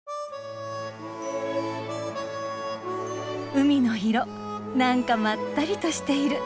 海の色なんかまったりとしている。